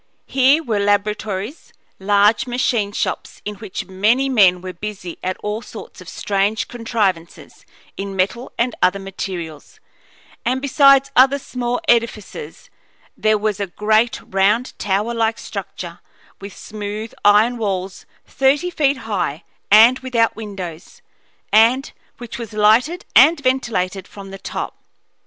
Here were laboratories, large machine shops in which many men were busy at all sorts of strange contrivances in metal and other materials; and besides other small edifices there was a great round tower like structure, with smooth iron walls thirty feet high and without windows, and which was lighted and ventilated from the top.